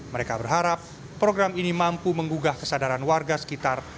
mereka berharap program ini mampu menggugah kesadaran warga sekitar